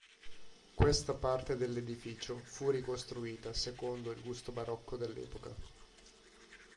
Questa parte dell'edificio fu ricostruita secondo il gusto barocco dell'epoca.